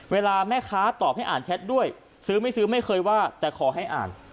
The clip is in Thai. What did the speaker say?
เวลาแม่ค้าตอบให้อ่านแชทด้วยซื้อไม่ซื้อไม่เคยว่าแต่ขอให้อ่าน